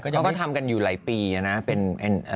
เค้าก็ทำกันอยู่หลายปีนะฮะน่ะเป็นรัคคล